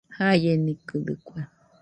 Jaienikɨdɨkue